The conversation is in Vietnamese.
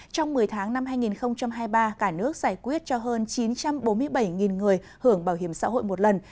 trong một mươi tháng năm hai nghìn hai mươi ba cả nước giải quyết cho hơn chín trăm bốn mươi bảy người hưởng bảo hiểm xã hội một lần